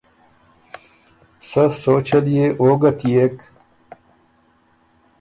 سۀ سوچ ال يې او ګه تيېک